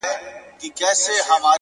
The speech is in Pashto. صبر د ځواک نښه ده!